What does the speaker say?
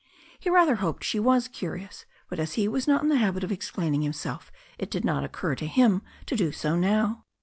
He rather hoped she was curious, but as he was not in the habit of explaining himself it did not occur to him to do so now.